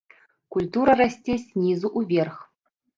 Культура расце знізу ўверх.